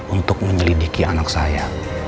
untuk menyelidiki anak saya